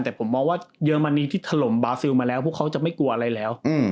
แต่ผมมองว่าเยอรมนีที่ถล่มบาซิลมาแล้วพวกเขาจะไม่กลัวอะไรแล้ว